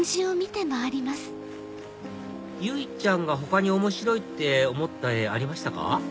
由依ちゃんが他に面白いって思った絵ありましたか？